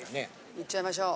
いっちゃいましょう。